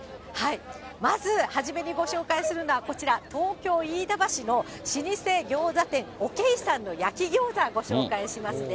まず初めにご紹介するのは、こちら、東京・飯田橋の老舗餃子店、おけいさんの焼き餃子ご紹介しますね。